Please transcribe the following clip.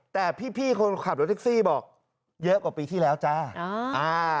แต่พี่พี่คนขับรถแท็กซี่บอกเยอะกว่าปีที่แล้วจ้าอ่าอ่า